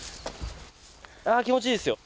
いやあ気持ちいいですよ。